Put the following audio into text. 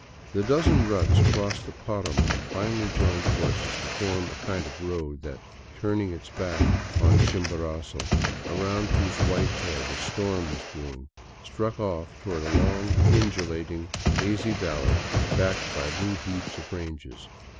The dozen ruts across the paramo finally joined forces to form a kind of road that, turning its back on Chimborazo, around whose white head a storm was brewing, struck off toward a long, undulating, hazy valley backed by blue heaps of ranges.